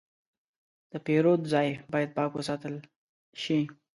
د پیرود ځای باید پاک وساتل شي.